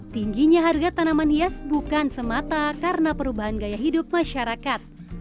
tingginya harga tanaman hias bukan semata karena perubahan gaya hidup masyarakat